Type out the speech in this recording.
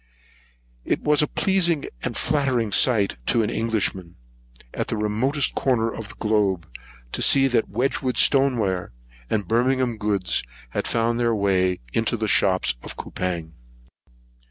It was a pleasing and flattering sight to an Englishman, at this remotest corner of the globe, to see that Wedgewood's stoneware, and Birmingham goods, had found their way into the shops of Coupang.